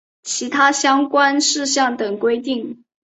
其他相关事项等规定